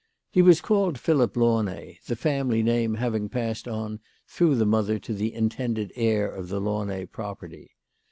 He was called Philip Launay, the family name having passed on through the mother to the intended heir of the Launay property.